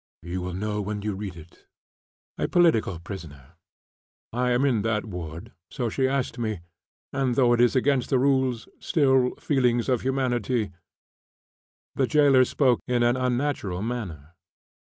"You will know when you read it. A political prisoner. I am in that ward, so she asked me; and though it is against the rules, still feelings of humanity " The jailer spoke in an unnatural manner.